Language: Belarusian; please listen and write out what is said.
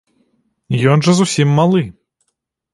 Ён жа зусім малы.